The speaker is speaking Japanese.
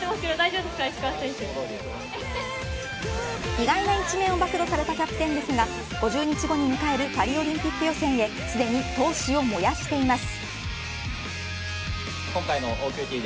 意外な一面を暴露されたキャプテンですが５０日後に迎えるパリオリンピック予選へすでに闘志を燃やしています。